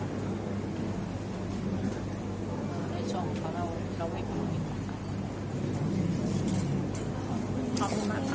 เราก็เลยชอบกันแล้วเราไม่มีความรู้สึก